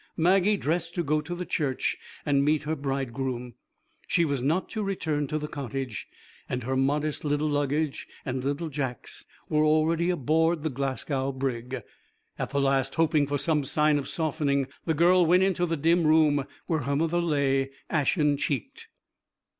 Maggie dressed to go to the church and meet her bridegroom. She was not to return to the cottage, and her modest little luggage and little Jack's were already aboard the Glasgow brig. At the last, hoping for some sign of softening, the girl went into the dim room where her mother lay, ashen cheeked.